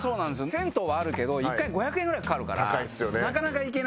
銭湯はあるけど１回５００円ぐらいかかるからなかなか行けない。